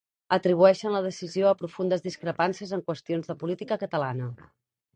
Atribueixen la decisió a profundes discrepàncies en qüestions de política catalana.